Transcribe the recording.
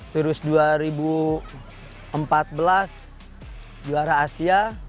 terus dua ribu empat belas juara asia